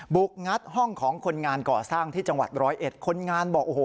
งัดห้องของคนงานก่อสร้างที่จังหวัดร้อยเอ็ดคนงานบอกโอ้โห